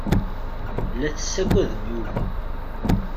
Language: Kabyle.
La tessaggadem Yuba.